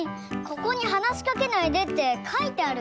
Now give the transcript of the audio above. ここに「はなしかけないで！」ってかいてあるでしょ。